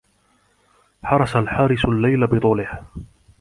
حرس الحارس الليل بطوله.